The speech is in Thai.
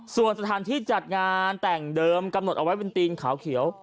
ส่วนสถานที่จัดงานแต่งเดิมกำหนดเอาไว้เป็นตีนขาวเขียว